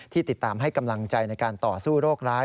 ติดตามให้กำลังใจในการต่อสู้โรคร้าย